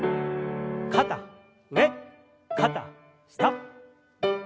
肩上肩下。